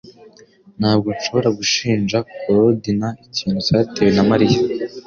Ntabwo nshobora gushinja Korodina ikintu cyatewe na Mariya